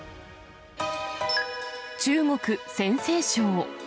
中国・陝西省。